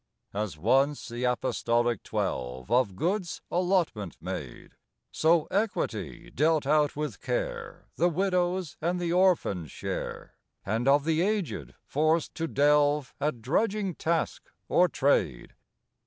As once the apostolic twelve Of goods allotment made, So equity dealt out with care The widow's and the orphan's share, And of the aged forced to delve At drudging task or trade.